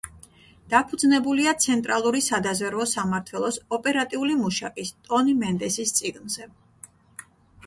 დაფუძნებულია ცენტრალური სადაზვერვო სამმართველოს ოპერატიული მუშაკის, ტონი მენდესის წიგნზე.